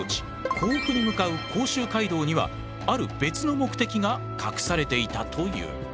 甲府に向かう甲州街道にはある別の目的が隠されていたという。